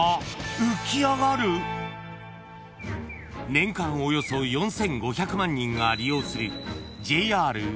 ［年間およそ４，５００万人が利用する］